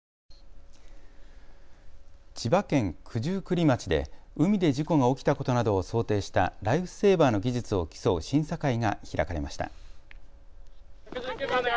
千葉県九十九里町で海で事故が起きたことなどを想定したライフセーバーの技術を競う審査会が開かれました。